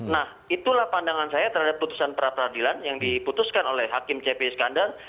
nah itulah pandangan saya terhadap putusan pra peradilan yang diputuskan oleh hakim cp iskandar